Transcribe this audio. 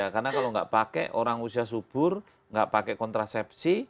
karena kalau tidak pakai orang usia subur tidak pakai kontrasepsi